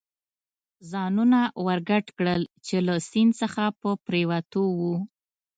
ځانونه ور ګډ کړل، چې له سیند څخه په پورېوتو و.